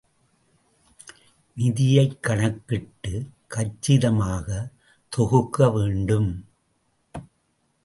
நிதியைக் கணக்கிட்டுக் கச்சிதமாகத் தொகுக்க வேண்டும்.